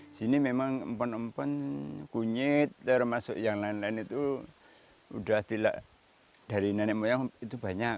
di sini memang empon empon kunyit termasuk yang lain lain itu udah tidak dari nenek moyang itu banyak